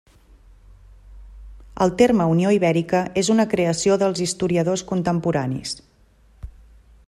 El terme Unió Ibèrica és una creació dels historiadors contemporanis.